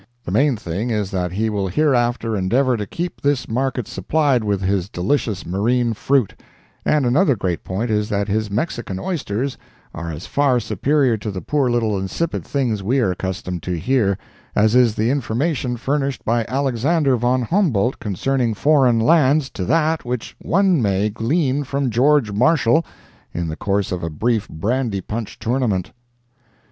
The main thing is that he will hereafter endeavor to keep this market supplied with his delicious marine fruit; and another great point is that his Mexican oysters are as far superior to the poor little insipid things we are accustomed to here, as is the information furnished by Alexander Von Humboldt concerning foreign lands to that which one may glean from George Marshall in the course of a brief brandy punch tournament.